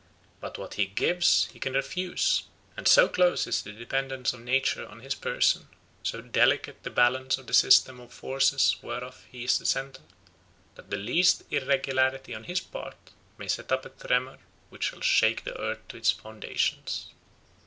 But what he gives he can refuse; and so close is the dependence of nature on his person, so delicate the balance of the system of forces whereof he is the centre, that the least irregularity on his part may set up a tremor which shall shake the earth to its foundations.